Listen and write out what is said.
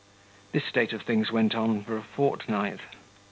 This state of things went on for a fortnight.